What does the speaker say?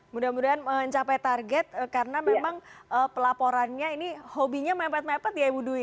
mudah mudahan mencapai target karena memang pelaporannya ini hobinya mepet mepet ya ibu dwi